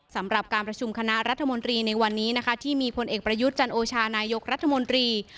สำหรับการประชุมคณะรัฐมนตรีในวันนี้นะคะที่มีพลเอกประยุทธ์จันโอชานายกรัฐมนตรี